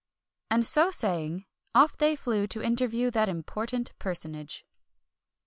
And so saying, off they flew to interview that important personage.